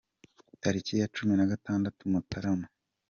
Tariki ya cumi nagatandatu Mutarama